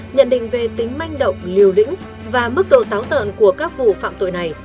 nhận định về tính manh động liều lĩnh và mức độ táo tợn của các vụ phạm tội này